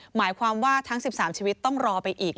หมายความว่าทั้ง๑๓ชีวิตต้องรอไปอีก